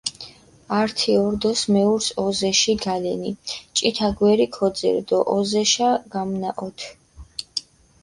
ართი ორდოს მეურს ოზეში გალენი, ჭითა გვერი ქოძირჷ დო ოზეშა გამნაჸოთჷ.